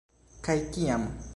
Kaj kiam.